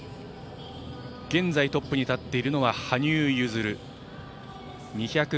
現在、トップに立っているのは羽生結弦。